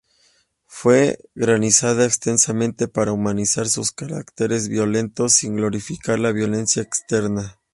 Fue granizada extensamente para humanizar sus caracteres violentos, sin glorificar la violencia extensa.